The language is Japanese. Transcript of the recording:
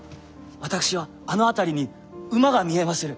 私はあの辺りに馬が見えまする。